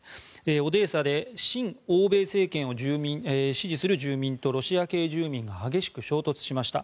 オデーサで親欧米政権を支持する住民とロシア系住民が激しく衝突しました。